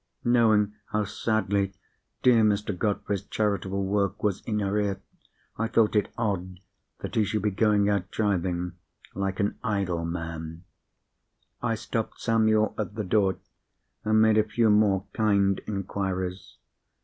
Knowing how sadly dear Mr. Godfrey's charitable work was in arrear, I thought it odd that he should be going out driving, like an idle man. I stopped Samuel at the door, and made a few more kind inquiries.